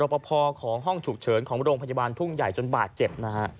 รพพอของโรงพยาบาลถุงใหญ่จนบาดเจ็บ